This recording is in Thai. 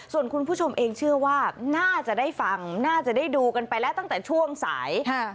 ส่วนคุณผู้ชมเองเชื่อว่าน่าจะได้ฟังน่าจะได้ดูกันไปแล้วตั้งแต่ช่วงสาย